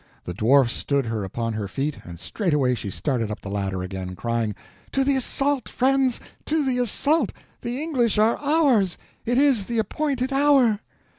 The Dwarf stood her upon her feet, and straightway she started up the ladder again, crying: "To the assault, friends, to the assault—the English are ours! It is the appointed hour!"